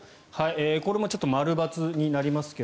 これもちょっと○×になりますが